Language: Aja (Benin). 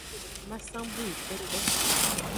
Masan bu yi kpete.